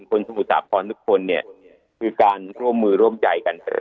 สมุทรสาครทุกคนเนี่ยคือการร่วมมือร่วมใจกัน